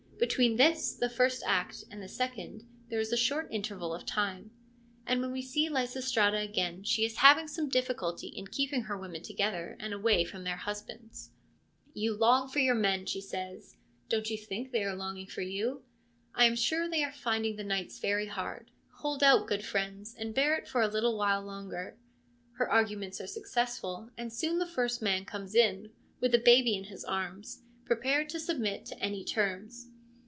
Between this, the first act, and the second there is a short interval of time ; and when we see Lysis trata again she is having some difficulty in keeping her women together and away from their husbands. 162 FEMINISM IN GREEK LITERATURE * You long for your men/ she says ; don't you think they are longing for you ? I am sure they are finding the nights very hard. Hold out, good friends, and bear it for a little while longer.' Her arguments are successful, and soon the first man comes in, with a baby in his arms, prepared to submit to any terms.